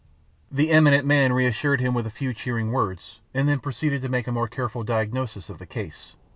The eminent man reassured him with a few cheering words, and then proceeded to make a more careful diagnosis of the case.